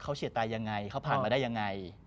เขาเฉียดตายยังไงเขาผ่านมาได้ยังไง